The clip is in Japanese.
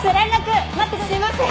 すいません。